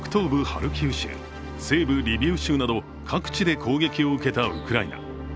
ハルキウ州、西部リビウ州など各地で攻撃を受けたウクライナ。